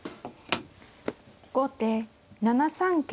後手７三桂馬。